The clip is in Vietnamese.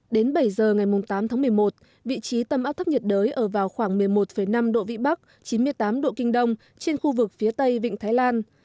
đến bảy giờ ngày tám tháng một mươi một vị trí tâm áp thấp nhiệt đới ở vào khoảng một mươi một năm độ vĩ bắc chín mươi tám độ kinh đông trên khu vực phía tây vịnh thái lan